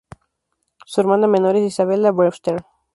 Su hermana menor es Isabella Brewster.